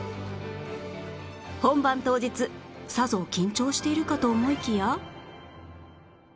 本番当日さぞ緊張しているかと思いきや